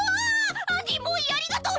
アンディもういいありがとう。